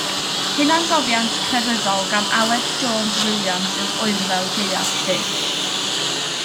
Hunangofiant crefyddol gan Aled Jones Williams yw Oerfel Gaeaf Duw.